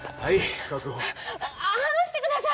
離してください！